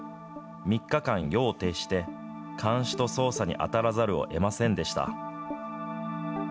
３日間、夜を徹して、監視と操作に当たらざるをえませんでした。